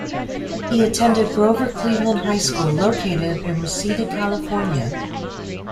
He attended Grover Cleveland High School, located in Reseda, California.